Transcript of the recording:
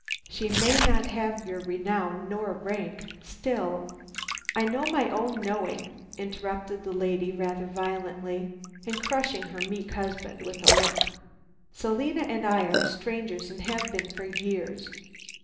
She may not have your renown nor rank, still " "I know my own knowing," interrupted the lady rather violently, and crushing her meek husband with a look. "Selina and I are strangers, and have been for years.